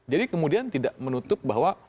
jadi kemudian tidak menutup bahwa